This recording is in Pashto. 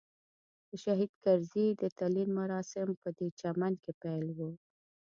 د شهید کرزي د تلین مراسم پدې چمن کې پیل وو.